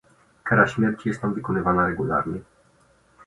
Kara śmierci jest tam wykonywana regularnie